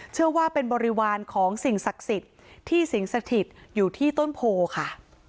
เชื่อว่าเป็นบริวารของสิ่งศักดิ์สิทธิ์ที่สิงสถิตอยู่ที่ต้นโพค่ะ